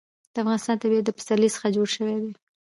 د افغانستان طبیعت له پسرلی څخه جوړ شوی دی.